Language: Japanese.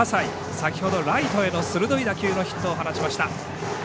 先ほどライトへの鋭い打球を放ちました。